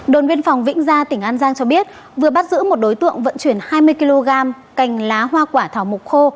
đồn biên phòng vĩnh gia tỉnh an giang cho biết vừa bắt giữ một đối tượng vận chuyển hai mươi kg cành lá hoa quả thảo mộc khô